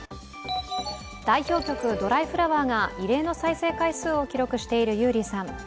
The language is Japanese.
代表曲「ドライフラワー」が異例の再生回数を記録している優里さん。